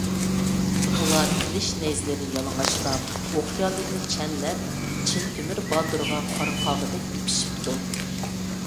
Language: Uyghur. ئۇلار قىلىچ-نەيزىلىرىنى يالىڭاچلاپ، ئوقيالىرىنى چەنلەپ، چىن تۆمۈر باتۇرغا قارا قاغىدەك يېپىشىپتۇ.